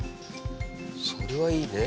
それはいいね。